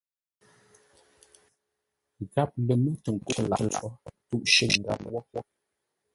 Gháp lər mə́ tə nkə́u cər lâʼ có tûʼ shʉ̂ŋ gháp wó.